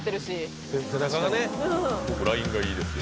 ラインがいいですよ